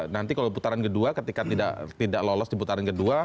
nanti kalau putaran kedua ketika tidak lolos di putaran kedua